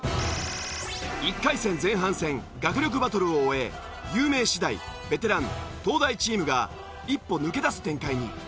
１回戦前半戦学力バトルを終え有名私大ベテラン東大チームが一歩抜け出す展開に。